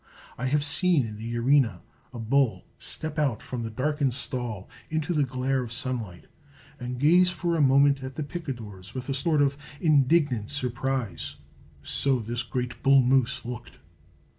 I have seen in the arena a bull step out from the darkened stall into the glare of sunlight, and gaze for a moment at the picadors with a sort of indignant surprise; so this great bull moose looked.